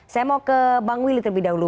saya mau ke bang willy terlebih dahulu